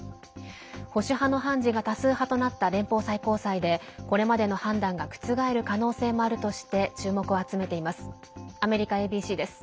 保守派の判事が多数派となった連邦最高裁でこれまでの判断が覆る可能性もあるとして、注目を集めています。